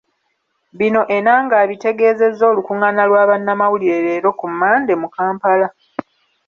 Bino Enanga abitegeezezza olukungaana lwa bannamawulire leero ku Mmande mu Kampala.